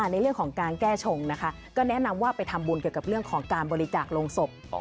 ในเรื่องของการแก้ชงนะคะก็แนะนำว่าไปทำบุญเกี่ยวกับเรื่องของการบริจาคโรงศพ